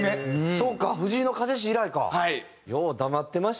そうか藤井の風氏以来か。